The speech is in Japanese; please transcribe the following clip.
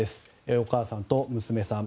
お母さんと娘さん。